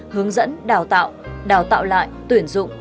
hướng dẫn đào tạo đào tạo lại tuyển dụng